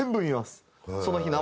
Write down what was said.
その日生